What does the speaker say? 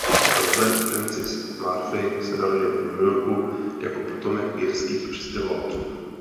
Robert Francis Murphy se narodil v New Yorku jako potomek irských přistěhovalců.